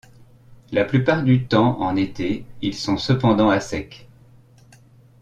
La plupart du temps en été, ils sont cependant à sec.